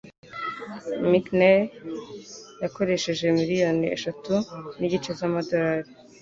McKinley yakoresheje miliyoni eshatu nigice z'amadolari.